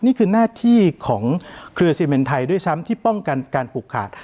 นี่คือหน้าที่ของเครือซีเมนไทยด้วยซ้ำที่ป้องกันการผูกขาด